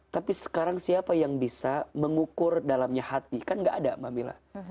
tapi sekarang siapa yang bisa mengukur dalamnya hati kan gak ada mbak mila